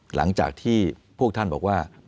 หลังจากที่พวกท่านบอกว่า